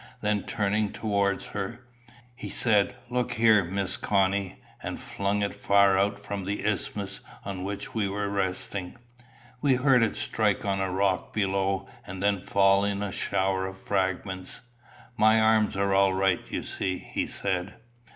Then turning towards her, he said, "Look here, Miss Connie;" and flung it far out from the isthmus on which we were resting. We heard it strike on a rock below, and then fall in a shower of fragments. "My arms are all right, you see," he said.